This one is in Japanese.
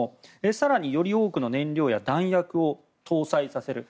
更により多くの燃料や弾薬を搭載させる。